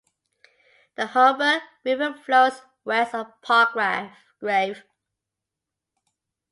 The Humber River flows west of Palgrave.